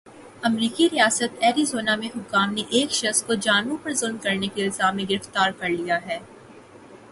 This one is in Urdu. امریکی ریاست ایریزونا میں حکام نے ایک شخص کو جانوروں پر ظلم کرنے کے الزام میں گرفتار کرلیا ہے۔